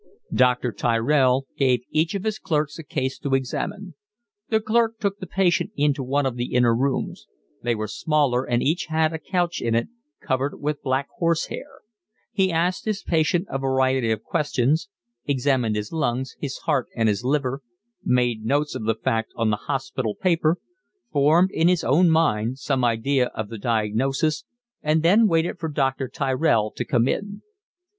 Dr. Tyrell gave each of his clerks a case to examine. The clerk took the patient into one of the inner rooms; they were smaller, and each had a couch in it covered with black horse hair: he asked his patient a variety of questions, examined his lungs, his heart, and his liver, made notes of fact on the hospital letter, formed in his own mind some idea of the diagnosis, and then waited for Dr. Tyrell to come in.